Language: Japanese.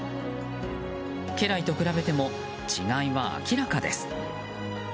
家来と比べても違いは明らかです。